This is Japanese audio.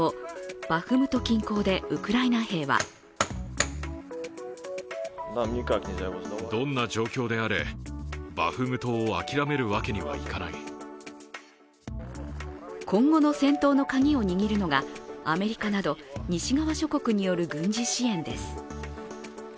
バフムト近郊でウクライナ兵は今後の戦闘のカギを握るのがアメリカなど西側諸国による軍事支援です。